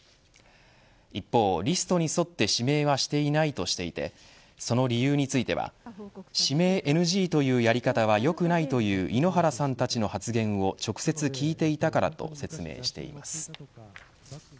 一方、リストに沿って指名はしていないとしていてその理由については指名ＮＧというやり方は良くないという井ノ原さんたちの発言を、直接聞いていたからと説明しています。